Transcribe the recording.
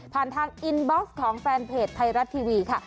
ทางอินบ็อกซ์ของแฟนเพจไทยรัฐทีวีค่ะ